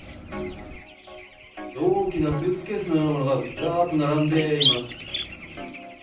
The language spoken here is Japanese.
大きなスーツケースのようなものが、ざーっと並んでいます。